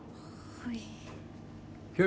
はい。